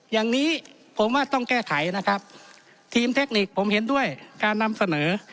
อย่างนี้ผมว่าต้องแก้ไขนะครับทีมเทคนิคผมเห็นด้วยการนำเสนอ